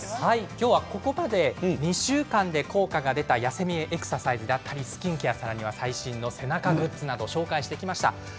今日はここまで２週間で効果が出た痩せ見えエクササイズだったりスキンケアの最新の背中グッズなどを紹介してきました。